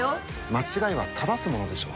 間違えは正すものでしょ。